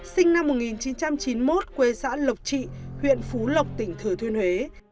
sinh năm một nghìn chín trăm chín mươi một quê xã lộc trị huyện phú lộc tỉnh thừa thuyên huế